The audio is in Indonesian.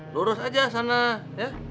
lurus aja sana ya